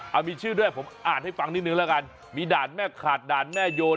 เอามีชื่อด้วยผมอ่านให้ฟังนิดนึงแล้วกันมีด่านแม่ขาดด่านแม่โยน